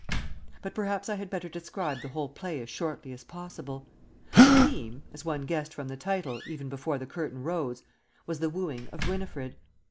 But perhaps I had better describe the whole play as shortly as possible. The theme as one guessed from the title, even before the curtain rose was the wooing of Winifred.